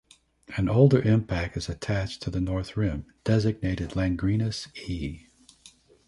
An older impact is attached to the north rim, designated Langrenus E.